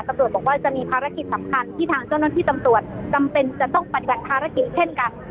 ตำรวจบอกว่าจะมีภารกิจสำคัญที่ทางเจ้าหน้าที่ตำรวจจำเป็นจะต้องปฏิบัติภารกิจเช่นกัน